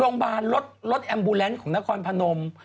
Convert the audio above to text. โรงพยาบาลรถรถเอ็มบูแลนซ์ของนครพนม